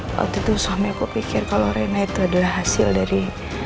waktu itu suami aku pikir kalau rena itu adalah hasil dari